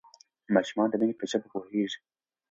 ماشومان د مینې په ژبه پوهیږي.